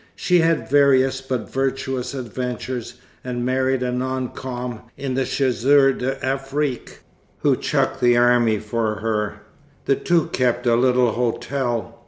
She had various but virtuous adventures, and married a non com. in the Chasseurs d'Afrique, who chucked the army for her. The two kept a little hotel.